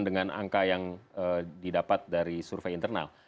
dengan angka yang didapat dari survei internal